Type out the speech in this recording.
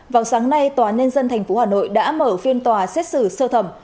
vào sáng nay tòa nhân dân tp hà nội đã mở phiên tòa xét xử sơ thẩm